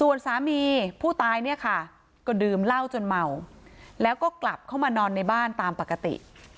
ส่วนสามีผู้ตายเนี่ยค่ะก็ดื่มเหล้าจนเมาแล้วก็กลับเข้ามานอนในบ้านตามปกติ